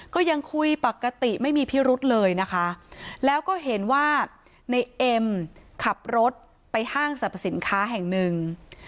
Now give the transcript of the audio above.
ก็ยังคุยปกติไม่มีพิรุธเลยนะคะแล้วก็เห็นว่าในเอ็มขับรถไปห้างสรรพสินค้าแห่งหนึ่ง